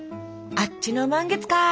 あっちの満月か。